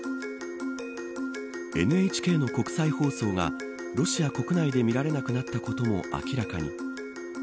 ＮＨＫの国際放送がロシア国内で見られなくなったことも明らかに。